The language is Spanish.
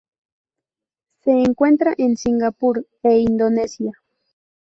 Se encuentra en Singapur e Indonesia.